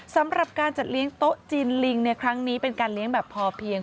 สำหรับการจัดเลี้ยงโต๊ะจีนลิงในครั้งนี้เป็นการเลี้ยงแบบพอเพียง